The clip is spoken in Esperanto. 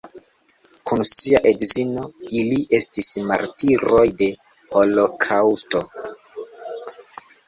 Kun sia edzino ili estis martiroj de holokaŭsto.